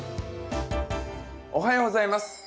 おはようございます。